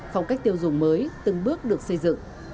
phong cách tiêu dùng mới từng bước được xây dựng